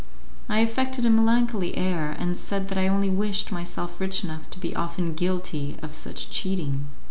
I affected a melancholy air, and said that I only wished myself rich enough to be often guilty of such cheating.